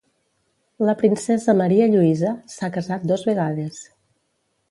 La princesa Maria Lluïsa s'ha casat dos vegades.